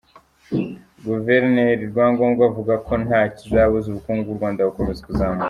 Guverineri Rwangombwa avuga ko nta kizabuza ubukungu bw’u Rwanda gukomeza kuzamuka.